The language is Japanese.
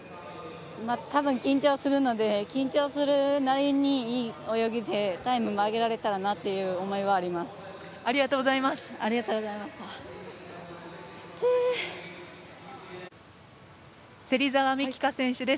多分、緊張するので緊張するなりにいい泳ぎでタイムも上げられたらなというありがとうございます。